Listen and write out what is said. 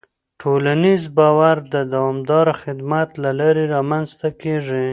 ټولنیز باور د دوامداره خدمت له لارې رامنځته کېږي.